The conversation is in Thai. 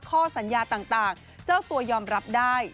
ข้อสัญญาต่างเจ้าตัวยอมรับได้